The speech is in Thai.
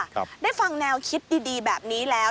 ได้ฟังแนวคิดดีดีแบบนี้แล้ว